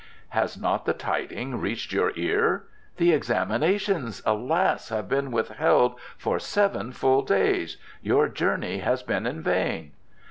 "Has not the tiding reached your ear? The examinations, alas! have been withheld for seven full days. Your journey has been in vain!"